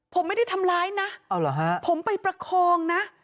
ผมไม่ได้ทำร้ายนะผมไปประคองนะ